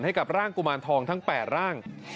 ให้กับร่างกุมารทองทั้ง๘ร่าง